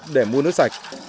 để mua nước sạch